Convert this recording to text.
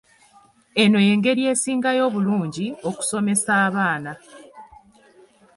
Eno y'engeri esingayo obulungi okusomesa abaana.